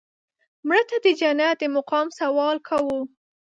مړه ته د جنت د مقام سوال کوو